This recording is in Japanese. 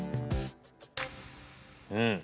うん。